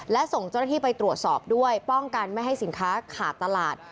และส่งเจ้าหน้าที่ไปตรวจสอบด้วยป้องกันไม่ให้สินค้าขาดตลาด